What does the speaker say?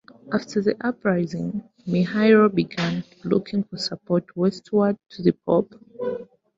After the uprising, Mihailo began looking for support westward - to the Pope.